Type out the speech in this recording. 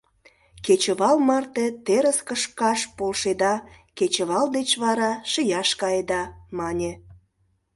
— Кечывал марте терыс кышкаш полшеда, кечывал деч вара шияш каеда, — мане...